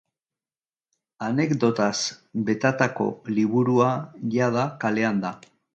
Anekdotaz betatako liburua yada kalean da.